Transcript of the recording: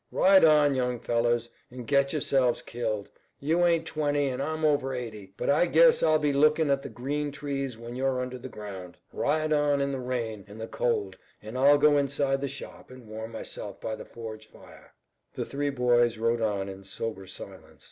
Ride on, young fellers, an' get yourselves killed. You ain't twenty, an' I'm over eighty, but I guess I'll be lookin' at the green trees when you're under the ground. Ride on in the rain an' the cold, an' I'll go inside the shop an' warm myself by the forge fire." The three boys rode on in sober silence.